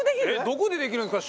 どこでできるんですか？